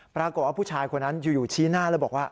ปรากฏว่าผู้ชายคนนั้นอยู่ชี้หน้าแล้วบอกว่า